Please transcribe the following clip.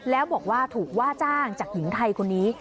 แล้วบอกว่าถูกว่าจ้างจากหญิงไทยคนนี้